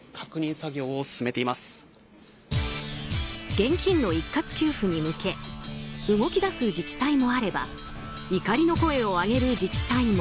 現金の一括給付に向け動き出す自治体もあれば怒りの声を上げる自治体も。